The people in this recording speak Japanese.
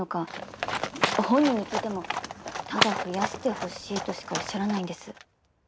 本人に聞いてもただ増やしてほしいとしかおっしゃらないんです。